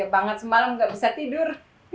paling banget semalam gak bisa tidur